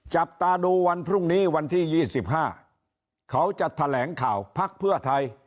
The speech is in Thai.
จับตาดูวันพรุ่งนี้วันที่๒๕เขาจะแถลงข่าวพักเพื่อไทย